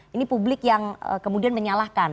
ini publik yang kemudian menyalahkan